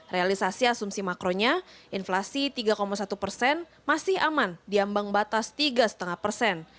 realisasi asumsi makronya inflasi tiga satu persen masih aman diambang batas tiga lima persen